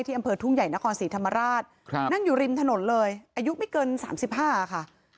ที่อำเภอทุ่งใหญ่นครศรีธรรมราชครับนั่งอยู่ริมถนนเลยอายุไม่เกินสามสิบห้าค่ะ